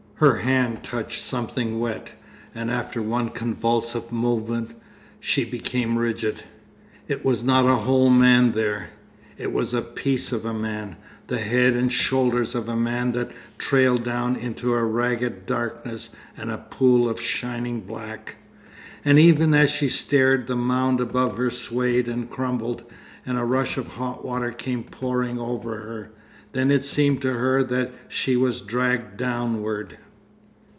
Her hand touched something wet, and after one convulsive movement she became rigid. It was not a whole man there; it was a piece of a man, the head and shoulders of a man that trailed down into a ragged darkness and a pool of shining black.... And even as she stared the mound above her swayed and crumbled, and a rush of hot water came pouring over her. Then it seemed to her that she was dragged downward....